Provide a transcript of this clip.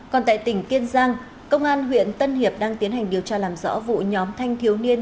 còn tại tỉnh kiên giang công an huyện tân hiệp đang tiến hành điều tra làm rõ vụ nhóm thanh thiếu niên